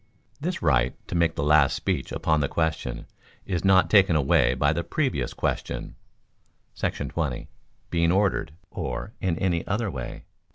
This right to make the last speech upon the question, is not taken away by the Previous Question [§ 20] being ordered, or in any other way.